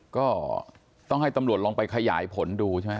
ก็ต้องให้ตำรวจลองไปขยายผลดูใช่ไหม